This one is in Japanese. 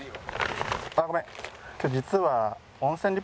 今日実は。